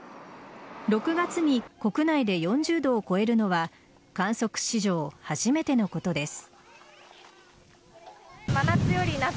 ６月に国内で４０度を超えるのは観測史上初めてのことです。